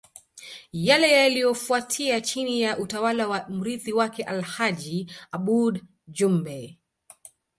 Yale yaliyofuatia chini ya utawala wa mrithi wake Alhaji Aboud Jumbe